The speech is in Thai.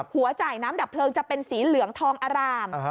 หัวจ่ายน้ำดับเพลิงจะเป็นสีเหลืองทองอร่าม